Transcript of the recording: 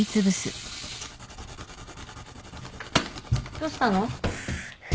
どうしたの？